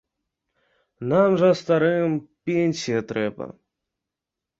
Нам жа, старым, пенсія трэба.